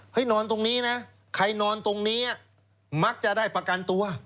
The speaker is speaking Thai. นอนตรงนี้นะใครนอนตรงนี้มักจะได้ประกันตัว